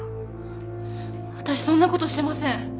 私そんな事してません。